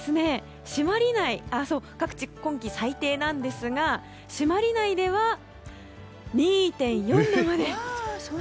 各地で今季最低なんですが朱鞠内では２．４度まで。